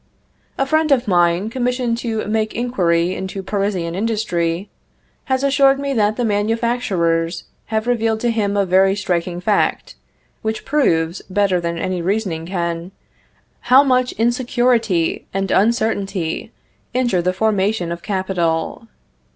A friend of mine, commissioned to make inquiry into Parisian industry, has assured me that the manufacturers have revealed to him a very striking fact, which proves, better than any reasoning can, how much insecurity and uncertainty injure the formation of capital.